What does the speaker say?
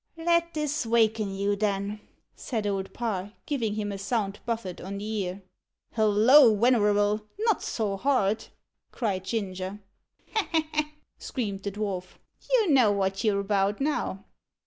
"Let this waken you, then," said Old Parr, giving him a sound buffet on the ear. "Holloa, wenerable! not so hard!" cried Ginger. "Ha! ha! ha!" screamed the dwarf. "You know what you're about now."